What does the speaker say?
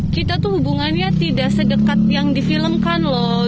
kita itu hubungannya tidak sedekat yang difilmkan